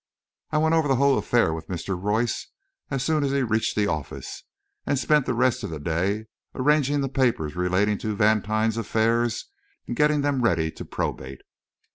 I went over the whole affair with Mr. Royce, as soon as he reached the office, and spent the rest of the day arranging the papers relating to Vantine's affairs and getting them ready to probate.